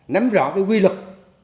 nắm rõ cái quy luật